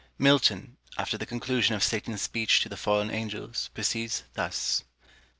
Milton, after the conclusion of Satan's speech to the fallen angels, proceeds thus: 1.